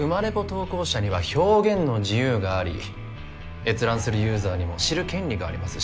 投稿者には表現の自由があり閲覧するユーザーにも知る権利があります